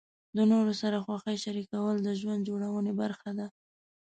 د نورو سره خوښۍ شریکول د ژوند جوړونې برخه ده.